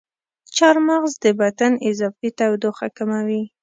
چارمغز د بدن اضافي تودوخه کموي.